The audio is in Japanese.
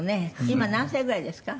今何歳ぐらいですか？